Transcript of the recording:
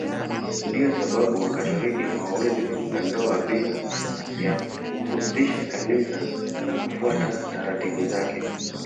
Ndiyo sababu Mkatoliki hawezi kufunga ndoa bila ya kuhusisha Kanisa na kufuata taratibu zake.